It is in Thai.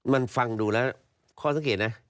มันฟังดูแล้วข้อสังเกตนะ